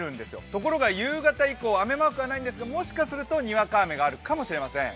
ところが夕方以降雨マークはないんですがもしかしたらにわか雨があるかもしれません。